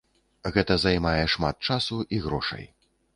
Гэта займае шмат часу і грошай.